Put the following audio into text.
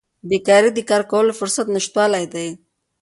بیکاري د کار کولو فرصت نشتوالی دی.